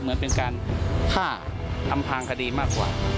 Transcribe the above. เหมือนเป็นการฆ่าอำพางคดีมากกว่า